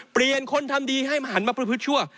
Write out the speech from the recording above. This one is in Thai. เปลี่ยนคนทำดีให้หันมาพฤพฤชั่ว